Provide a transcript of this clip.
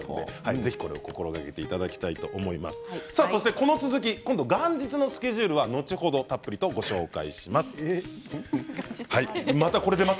この続き元日のスケジュールは後ほどたっぷりとご紹介します。